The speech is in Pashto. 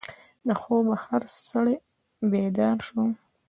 د خوبه هر سړی بیدار شو.